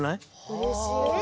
うれしい。